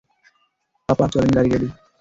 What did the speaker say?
পাপা, চলেন গাড়ি রেডি।